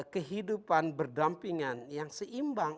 kehidupan berdampingan yang seimbang